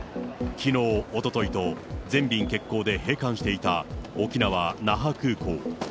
きのう、おとといと、全便欠航で閉館していた沖縄・那覇空港。